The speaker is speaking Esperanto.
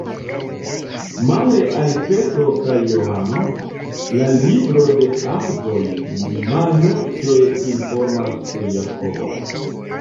Male al Petro kaj Johano, la libro de Agoj malmulte informas pri Jakobo.